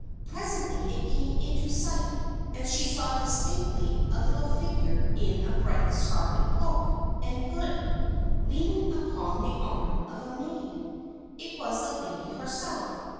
Presently it came into sight and she saw distinctly a little figure in a bright scarlet cloak and hood, leaning upon the arm of the maid. It was the lady herself.